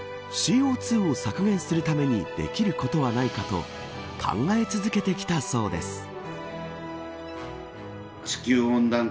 ＣＯ２を削減するためにできることはないかと考え続けてきたそうです。